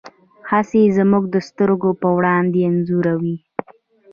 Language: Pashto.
هڅې زموږ د سترګو په وړاندې انځوروي.